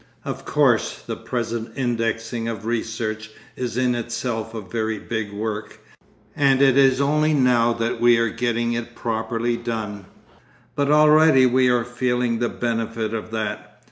Of course, the present indexing of research is in itself a very big work, and it is only now that we are getting it properly done. But already we are feeling the benefit of that.